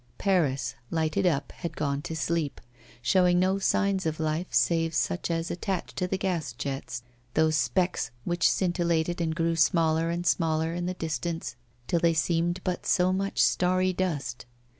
Paris, lighted up, had gone to sleep, showing no signs of life save such as attached to the gas jets, those specks which scintillated and grew smaller and smaller in the distance till they seemed but so much starry dust.